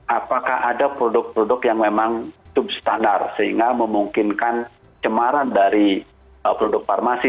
apakah ada produk produk yang memang substanar sehingga memungkinkan cemaran dari produk farmasi